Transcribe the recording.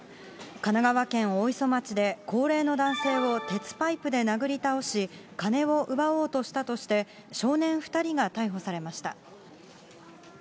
神奈川県大磯町で高齢の男性を鉄パイプで殴り倒し、金を奪おうとしたとして、少年２人が逮捕されました。